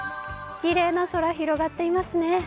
きれいな空が広がっていますね。